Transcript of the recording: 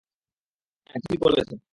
হ্যাঁ ঠিক বলেছেন।